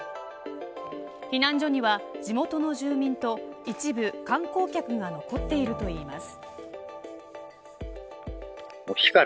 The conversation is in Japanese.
避難所には地元の住民と一部観光客が残っているといいます。